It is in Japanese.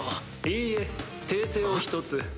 いいえ訂正を１つ。